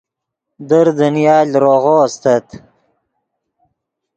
در دنیا لروغو استت